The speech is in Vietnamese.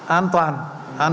an toàn an dân